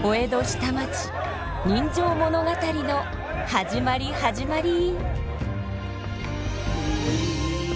下町人情物語の始まり始まり。